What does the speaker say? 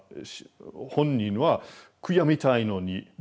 本人は悔やみたいのに。